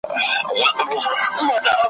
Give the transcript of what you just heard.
هغه هڅه وکړه